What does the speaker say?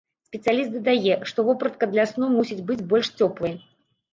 Спецыяліст дадае, што вопратка для сну мусіць быць больш цёплай.